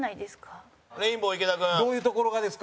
蛍原：どういうところがですか？